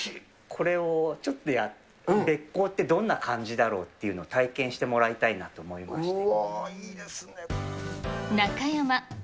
これをちょっと、べっ甲って、どんな感じだろうっていうのを体験してもらいたいなと思いまして。